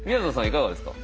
いかがですか？